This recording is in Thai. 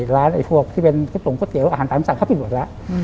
ร้านพวกที่เป็นกระตุ๋งกระเตียวอาหารตามสั่งเขาเปลี่ยนหมดแล้ว